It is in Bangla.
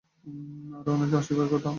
আরো অনেকের আসিবার কথা।